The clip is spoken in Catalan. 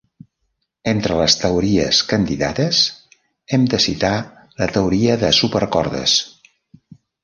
Entre les teories candidates hem de citar la teoria de supercordes.